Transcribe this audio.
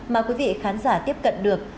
mà quý vị khán giả tiếp cận được